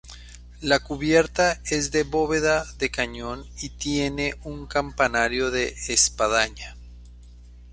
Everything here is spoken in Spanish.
La cubierta es de bóveda de cañón y tiene un campanario de espadaña.